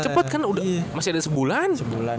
cepet kan udah masih ada sebulan